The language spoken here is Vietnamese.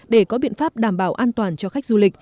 để có biện pháp đảm bảo an toàn cho khách du lịch